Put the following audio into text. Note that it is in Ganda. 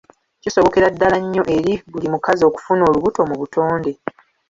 Kisobokera ddala nnyo eri buli mukazi okufuna olubuto mu butonde.